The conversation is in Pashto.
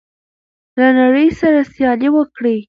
له نړۍ سره سیالي وکړئ.